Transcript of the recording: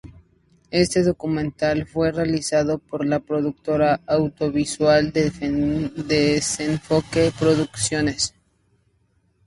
Este documental fue realizado por la productora audiovisual Desenfoque Producciones.